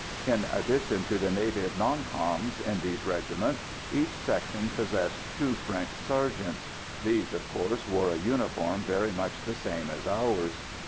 In addition to the native "non coms" in these regiments each section possessed two French sergeants. These, of course, wore a uniform very much the same as ours.